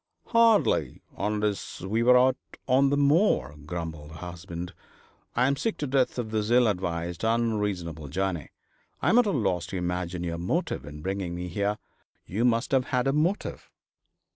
'Hardly, unless we were out on the moor,' grumbled her husband. 'I am sick to death of this ill advised, unreasonable journey. I am at a loss to imagine your motive in bringing me here. You must have had a motive.'